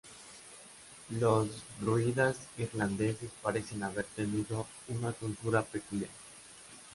Los druidas irlandeses parecen haber tenido una tonsura peculiar.